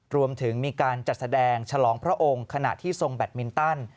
รวมถึงมีการจัดแสดงฉลองพระองค์ขณะที่ทรงแบตมินตัน